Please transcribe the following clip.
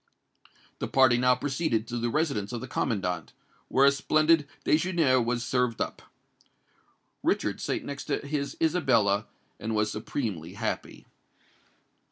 The party now proceeded to the residence of the commandant, where a splendid déjeuner was served up. Richard sate next to his Isabella, and was supremely happy.